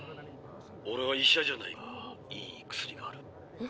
オレは医者じゃないがいい薬がある。